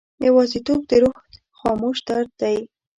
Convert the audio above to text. یوازیتوب د روح خاموش درد دی.